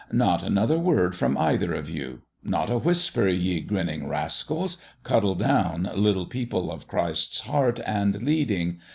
Not another word from either of you. Not a whis per, ye grinning rascals ! Cuddle down, little people of Christ's heart and leading.